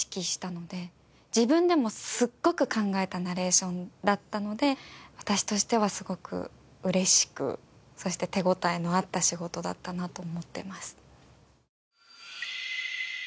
自分でもすっごく考えたナレーションだったので私としてはすごく嬉しくそして手応えのあった仕事だったなと思ってます。